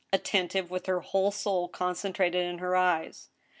THE TRIAL: 1 89 attentive, with her whole soul concentrated in her eyes.